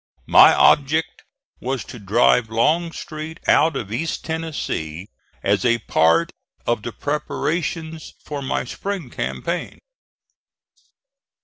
My object was to drive Longstreet out of East Tennessee as a part of the preparations for my spring campaign.